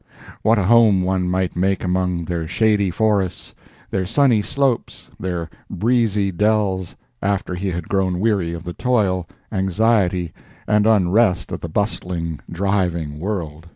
What a home one might make among their shady forests, their sunny slopes, their breezy dells, after he had grown weary of the toil, anxiety and unrest of the bustling, driving world.